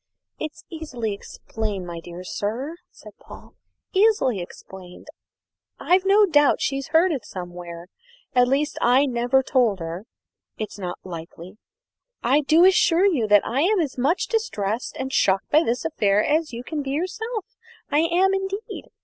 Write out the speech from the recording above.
"It's easily explained, my dear sir," said Paul; "easily explained. I've no doubt she's heard it somewhere. At least, I never told her; it is not likely. I do assure you I'm as much distressed and shocked by this affair as you can be yourself. I am indeed.